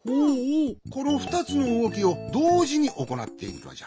このふたつのうごきをどうじにおこなっているのじゃ。